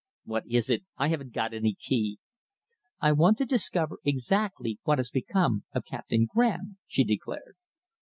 "What is it? I haven't got any key." "I want to discover exactly what has become of Captain Graham," she declared.